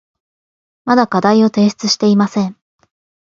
まだ課題を提出していません。